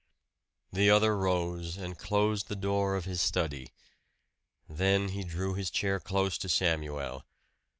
The other rose and closed the door of his study. Then he drew his chair close to Samuel.